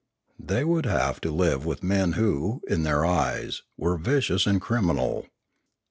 They would have to live with men who, in their eyes, were vicious and criminal.